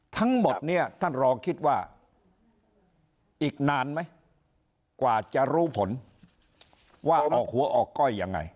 ทั้งหมดเนี่ยท่านรอคิดว่าอีกนานไหมกว่าจะรู้ผลว่าออกหัวออกก้อยยังไง